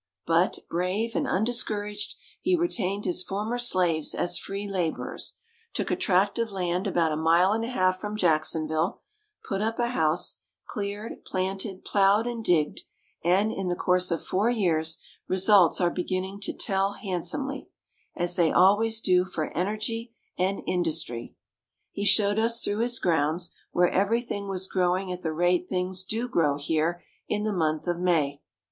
But, brave and undiscouraged, he retained his former slaves as free laborers; took a tract of land about a mile and a half from Jacksonville; put up a house; cleared, planted, ploughed, and digged: and, in the course of four years, results are beginning to tell handsomely, as they always do for energy and industry. He showed us through his grounds, where every thing was growing at the rate things do grow here in the month of May.